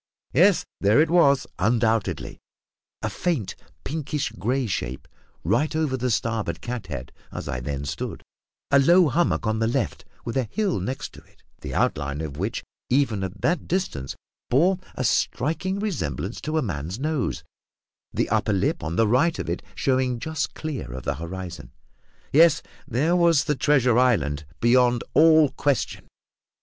Yes, there it was, undoubtedly; a faint, pinkish grey shape, right over the starboard cat head, as I then stood; a low hummock on the left, with a hill next it, the outline of which, even at that distance, bore a striking resemblance to a man's nose, the upper lip on the right of it showing just clear of the horizon. Yes; there was the treasure island, beyond all question!